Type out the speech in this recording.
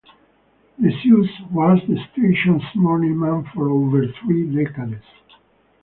DeSuze was the station's morning man for over three decades.